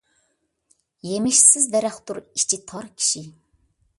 يېمىشسىز دەرەختۇر ئىچى تار كىشى.